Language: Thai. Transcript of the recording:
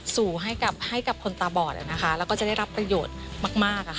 สู่ให้กับคนตาบอดแล้วก็จะได้รับประโยชน์มาก